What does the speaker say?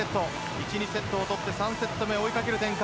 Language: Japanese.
１、２セットを取って第３セットを追いかける展開。